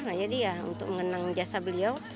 nah jadi ya untuk mengenang jasa beliau